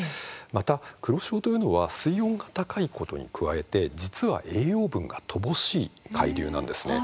また黒潮というのは水温が高いことに加えて、実は栄養分が乏しい海流なんですね。